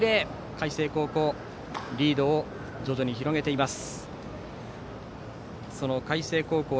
海星高校、リードを徐々に広げています。